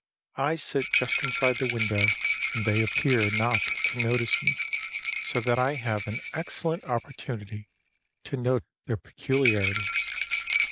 I sit just inside the window and they appear not to notice me, so that I have an excellent opportunity to note their peculiarities.